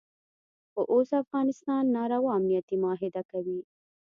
خو اوس افغانستان ناروا امنیتي معاهده کوي.